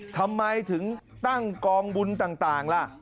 ทำไมถึงตั้งกองบุญต่างล่ะ